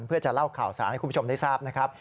เพื่อจะเล่าข่าวสารให้คุณผู้ชมได้ทราบนะครับ